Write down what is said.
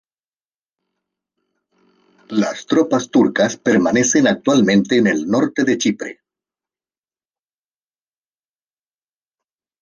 Las tropas turcas permanecen actualmente en el norte de Chipre.